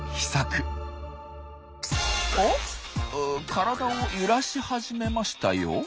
体を揺らし始めましたよ。